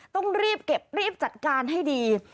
ต้องรีบเก็บรีบจัดการให้ดี